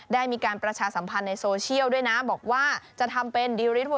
ได้มีการประชาสัมพันธ์ในโซเชียลด้วยนะบอกว่าจะทำเป็นดิริต